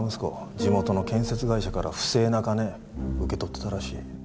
地元の建設会社から不正な金受け取ってたらしい。